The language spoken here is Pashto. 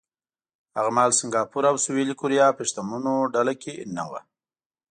هغه مهال سینګاپور او سویلي کوریا په شتمنو ډله کې نه وو.